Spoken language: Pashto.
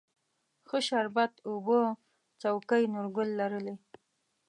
ښه شربت اوبه څوکۍ، نورګل لرلې